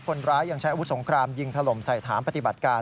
คนร้ายยังใช้อาวุธสงครามยิงถล่มใส่ฐานปฏิบัติการ